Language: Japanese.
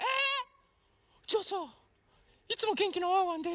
じゃあさ「いつもげんきなワンワンです」